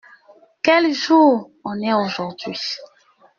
Quel jour on est aujourd’hui ?